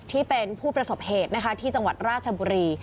ที่เป็นผู้ประสบเหตุนะคะที่จังหวัดราชบุรี